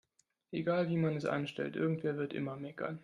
Egal wie man es anstellt, irgendwer wird immer meckern.